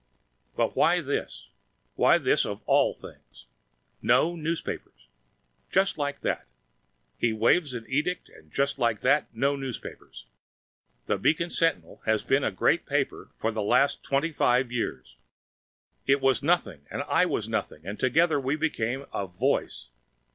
But why this? Why this of all things! No newspapers! Just like that! He waves an edict, and just like that, no newspapers! The Beacon Sentinel has been a great paper for the last twenty five years! It was nothing, and I was nothing, and together we became a Voice!